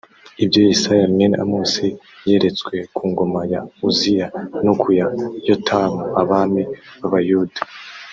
“Ibyo Yesaya mwene Amosi yeretswe ku ngoma ya Uziya no ku ya Yotamu abami b’Abayuda